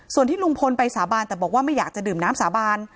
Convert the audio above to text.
ส่วนที่ลุงพลไปสาบานแต่บอกว่าไม่อยากจะดื่มน้ำสาบาน